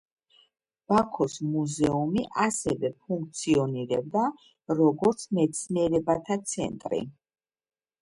ბაქოს მუზეუმი ასევე ფუნქციონირებდა, როგორც მეცნიერებათა ცენტრი.